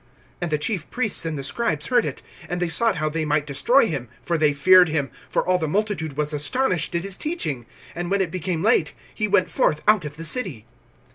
(18)And the chief priests and the scribes heard it. And they sought how they might destroy him; for they feared him, for all the multitude was astonished at his teaching. (19)And when it became late, he went forth out of the city.